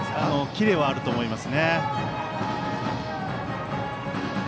キレはあると思います。